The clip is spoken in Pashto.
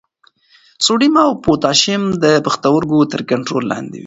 سوډیم او پوټاشیم د پښتورګو تر کنټرول لاندې وي.